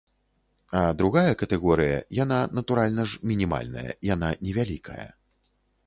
А другая катэгорыя, яна, натуральна ж, мінімальная, яна невялікая.